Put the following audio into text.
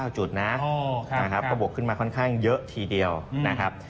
จุดนะครับก็บวกขึ้นมาค่อนข้างเยอะทีเดียวนะครับ